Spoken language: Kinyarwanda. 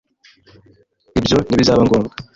Ibyo ntibizaba ngombwa.